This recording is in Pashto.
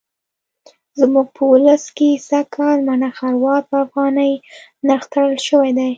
زموږ په ولس کې سږکال مڼه خروار په افغانۍ نرخ تړل شوی دی.